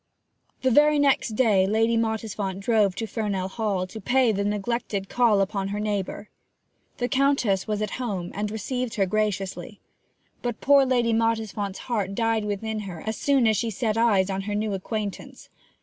The very next day Lady Mottisfont drove to Fernell Hall to pay the neglected call upon her neighbour. The Countess was at home, and received her graciously. But poor Lady Mottisfont's heart died within her as soon as she set eyes on her new acquaintance.